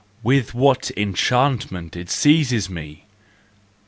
With what enchantment it seizes me!